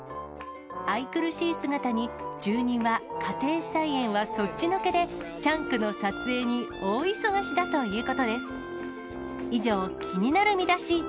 愛くるしい姿に、住人は家庭菜園はそっちのけで、チャンクの撮影に大忙しだということです。